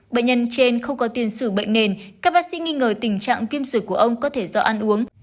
bệnh nhân trên không có tiền xử bệnh nền các bác sĩ nghi ngờ tình trạng viêm ruột của ông có thể do ăn uống